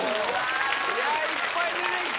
いっぱい出てきた。